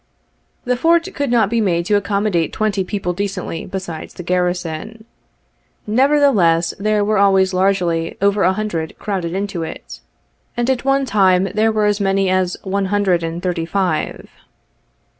The Fort could not be made to accommodate twenty people decently besides the garrison. Nevertheless, there were always largely over a hundred crowded into it, and 19 at one time there were as many as one hundred and thirty five.